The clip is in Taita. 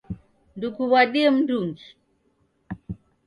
Ndukuw'adie mndungi